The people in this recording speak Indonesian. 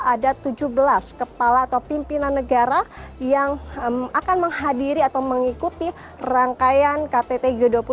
ada tujuh belas kepala atau pimpinan negara yang akan menghadiri atau mengikuti rangkaian ktt g dua puluh